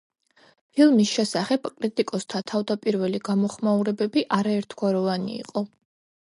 ფილმის შესახებ კრიტიკოსთა თავდაპირველი გამოხმაურებები არაერთგვაროვანი იყო.